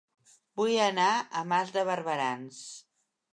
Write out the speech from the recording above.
Vull anar a Mas de Barberans